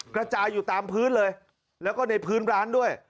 กระจายอยู่ตามพื้นเลยแล้วก็ในพื้นร้านด้วย